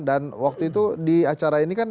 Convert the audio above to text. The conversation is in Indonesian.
dan waktu itu di acara ini kan